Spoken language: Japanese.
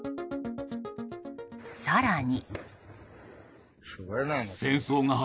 更に。